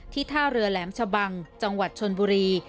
ท่าเรือแหลมชะบังจังหวัดชนบุรี